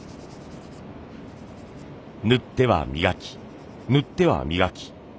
塗っては磨き塗っては磨き。